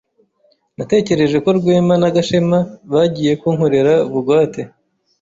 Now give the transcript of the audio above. Natekereje ko Rwema na Gashema bagiye kunkoresha bugwate.